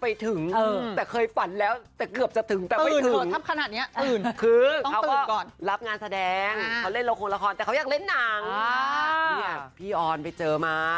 พี่อ่อนไปเจอมา